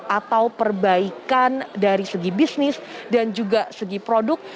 atau perbaikan dari segi bisnis dan juga segi produk